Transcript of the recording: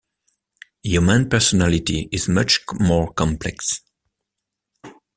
Human personality is much more complex.